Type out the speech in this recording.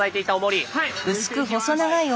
はい。